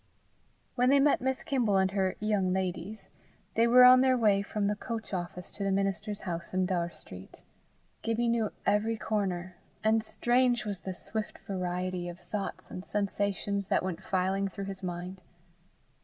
When they met Miss Kimble and her "young ladies," they were on their way from the coach office to the minister's house in Daur Street. Gibbie knew every corner, and strange was the swift variety of thoughts and sensations that went filing through his mind.